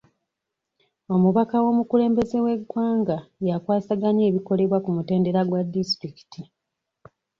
Omubaka w'omukulembeze w'egwanga yakwasaganya ebikolebwa ku mutendera gwa disitulikiti.